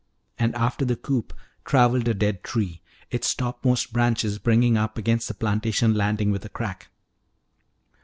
And after the coop traveled a dead tree, its topmost branches bringing up against the plantation landing with a crack.